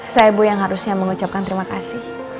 saya bu yang harusnya mengucapkan terima kasih